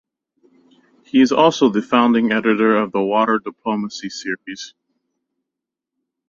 He is also the Founding Editor of the "Water Diplomacy Series".